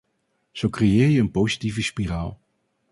Zo creëer je een positieve spiraal.